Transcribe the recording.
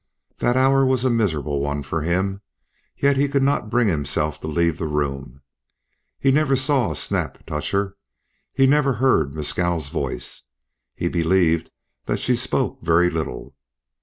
That hour was a miserable one for him, yet he could not bring himself to leave the room. He never saw Snap touch her; he never heard Mescal's voice; he believed that she spoke very little.